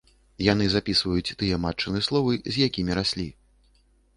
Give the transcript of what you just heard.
Яны запісваюць тыя матчыны словы, з якімі раслі.